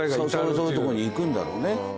そういうとこに行くんだろうね。